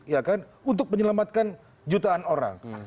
ya kan untuk menyelamatkan jutaan orang